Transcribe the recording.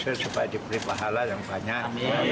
dan sukarela bertanggung jawablah